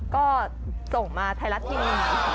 ก็ส่งมาไทยรัฐทีวี